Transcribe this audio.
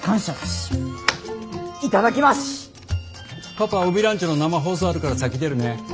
パパ「オビランチ」の生放送あるから先出るね。